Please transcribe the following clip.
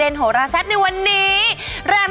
แอร์โหลดแล้วคุณล่ะโหลดแล้ว